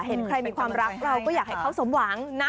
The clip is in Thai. เห็นใครมีความรักเราก็อยากให้เขาสมหวังนะ